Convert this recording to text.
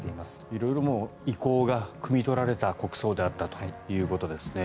色々、意向がくみ取られた国葬であったということですね。